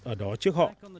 ở đó trước họ